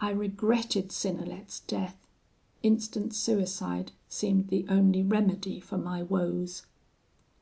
I regretted Synnelet's death: instant suicide seemed the only remedy for my woes.